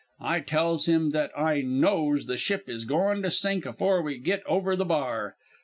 I tells him that I knows the ship is goin' to sink afore we git over the bar.